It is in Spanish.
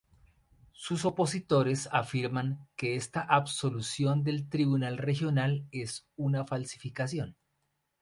Sus opositores afirman que esta absolución del Tribunal Regional es una falsificación.